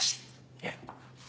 いえ。